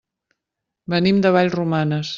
Venim de Vallromanes.